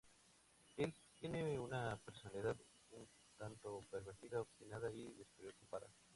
Él tiene una personalidad un tanto pervertida, obstinada y despreocupada.